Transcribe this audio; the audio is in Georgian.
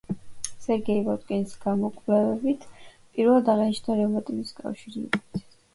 სერგეი ბოტკინის გამოკვლევებით პირველად აღინიშნა რევმატიზმის კავშირი ინფექციასთან.